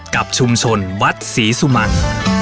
กับชุมชนวัดศรีสุมัน